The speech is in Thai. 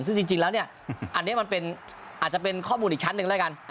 ซึ่งจริงแล้วอันนี้อาจจะเป็นข้อมูลอีกชั้นนึงด้วยกัน